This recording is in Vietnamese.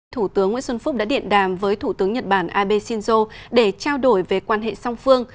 thủ tướng nguyễn xuân phúc đã điện đàm với thủ tướng nhật bản abe shinzo để trao đổi về quan hệ song phương